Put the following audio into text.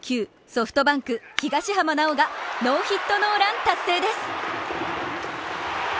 ソフトバンク・東浜巨がノーヒットノーラン達成です。